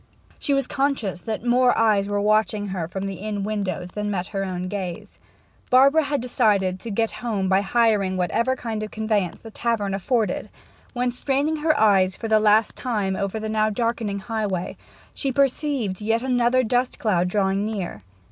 She was conscious that more eyes were watching her from the inn windows than met her own gaze. Barbara had decided to get home by hiring whatever kind of conveyance the tavern afforded, when, straining her eyes for the last time over the now darkening highway, she perceived yet another dust cloud drawing near.